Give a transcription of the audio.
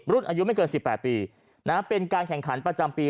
รุ่นอายุไม่เกิน๑๘ปีเป็นการแข่งขันประจำปี